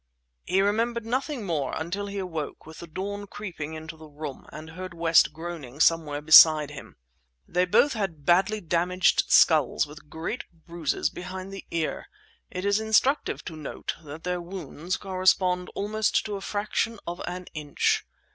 He remembered nothing more until he awoke, with the dawn creeping into the room, and heard West groaning somewhere beside him. They both had badly damaged skulls with great bruises behind the ear. It is instructive to note that their wounds corresponded almost to a fraction of an inch.